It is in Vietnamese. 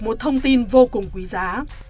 một thông tin vô cùng quý giá